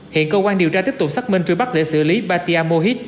hiện cơ quan điều tra tiếp tục xác minh truy bắt để xử lý batia mohit